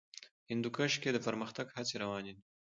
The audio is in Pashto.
هندوکش کې د پرمختګ هڅې روانې دي.